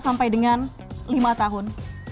sampai dengan lima tahun